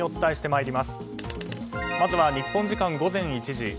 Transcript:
まずは日本時間午前１時。